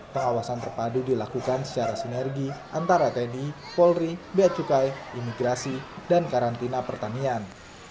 pengawasan terpadu dilakukan secara sinergi antara tni polri beacukai imigrasi dan karantina pertanian